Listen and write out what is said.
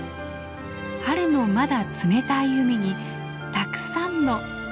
春のまだ冷たい海にたくさんのたくましい